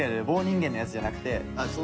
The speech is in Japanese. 棒人間のやつじゃなくて。